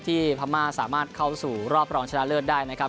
พม่าสามารถเข้าสู่รอบรองชนะเลิศได้นะครับ